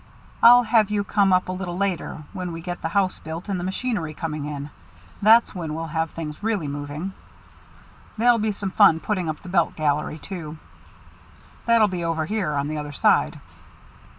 I'll have you come up a little later, when we get the house built and the machinery coming in. That's when we'll have things really moving. There'll be some fun putting up the belt gallery, too. That'll be over here on the other side."